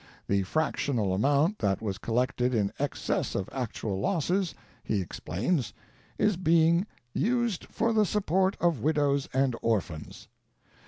The fractional amount that was collected in excess of actual losses, he explains, is being used for the support of widows and orphans.